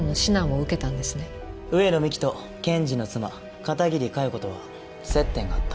上野美貴と検事の妻片桐佳代子とは接点があった。